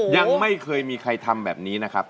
ยังไม่เคยมีใครทำแบบนี้นะครับ